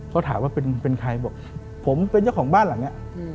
เขาถามว่าเป็นใครบอกผมเป็นเจ้าของบ้านหลังนี้